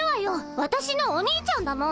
わたしのお兄ちゃんだもん。